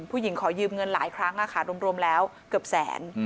ผู้หญิงขอยืมเงินหลายครั้งรวมแล้วเกือบแสน